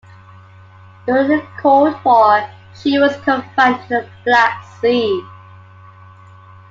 During the Cold War she was confined to the Black Sea.